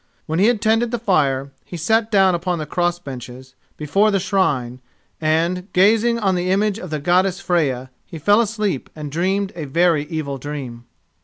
When he had tended the fire, he sat down upon the cross benches before the shrine, and, gazing on the image of the Goddess Freya, he fell asleep and dreamed a very evil dream.